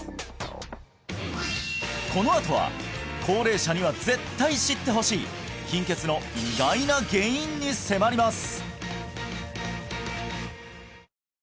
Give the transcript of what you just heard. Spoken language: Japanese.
このあとは高齢者には絶対知ってほしい貧血の意外な原因に迫ります！